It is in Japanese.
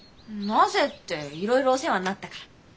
なぜっていろいろお世話になったから。